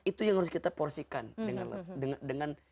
itu yang harus kita porsikan dengan